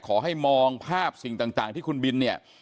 ขอให้มองภาพสิ่งต่างที่คุณบินเนี่ย